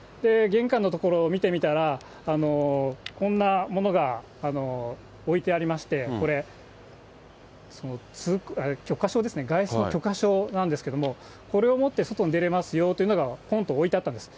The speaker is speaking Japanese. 玄関の所を見てみたら、こんなものが置いてありまして、これ、許可証ですね、外出の許可証なんですけれども、これを持って外に出れますよというのがぽんと置いてあったんです。